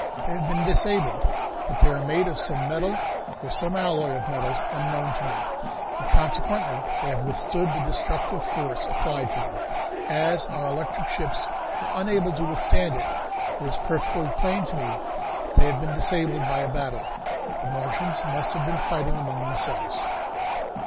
They have been disabled, but they are made of some metal or some alloy of metals unknown to me, and consequently they have withstood the destructive force applied to them, as our electric ships were unable to withstand it. It is perfectly plain to me that they have been disabled in a battle. The Martians must have been fighting among themselves."